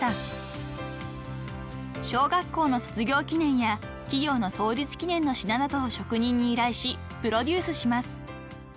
［小学校の卒業記念や企業の創立記念の品などを職人に依頼しプロデュースします］